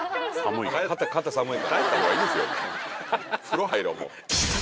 風呂入ろうもう。